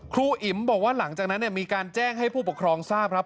อิ๋มบอกว่าหลังจากนั้นมีการแจ้งให้ผู้ปกครองทราบครับ